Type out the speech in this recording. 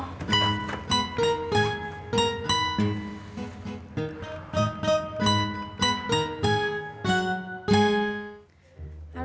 tukang urutnya mana